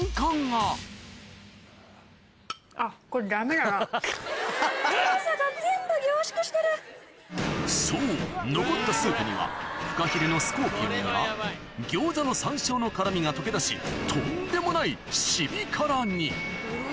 だがそう残ったスープにはフカヒレのスコーピオンや餃子の山椒の辛みが溶け出しとんでもないシビ辛にホォ。